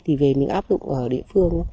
thì về những áp dụng ở địa phương